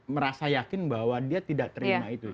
merasa yakin bahwa dia tidak terima itu